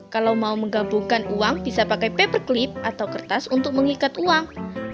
kalau mau menggabungkan uang bisa pakai paper clip atau kertas untuk mengikat uang